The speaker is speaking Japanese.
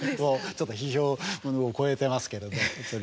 ちょっと批評を超えてますけどね。